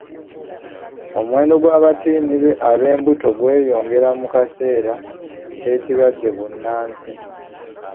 Omuwendo gw'abatiini ab'embuto gweyongera mu kaseera k'ekirwadde bbunansi.